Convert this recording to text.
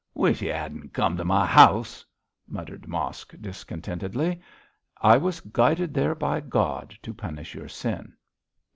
'Wish y' 'adn't come to m' house,' muttered Mosk, discontentedly. 'I was guided there by God to punish your sin.'